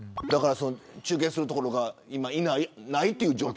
中継するところが今はないという状況。